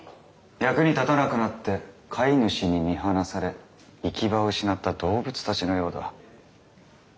役に立たなくなって飼い主に見放され行き場を失った動物たちのようだ。